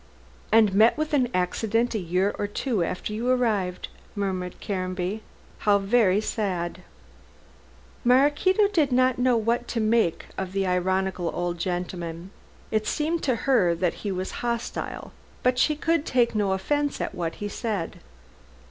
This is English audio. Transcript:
"And met with an accident a year or two after you arrived," murmured Caranby; "how very sad." Maraquito did not know what to make of the ironical old gentleman. It seemed to her that he was hostile, but she could take no offence at what he said.